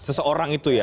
seseorang itu ya